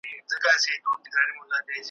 شپه به مي وباسي له ښاره څخه ,